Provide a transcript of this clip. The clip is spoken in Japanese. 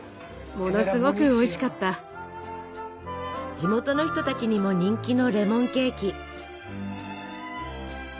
地元の人たちにも人気のレモンケーキ。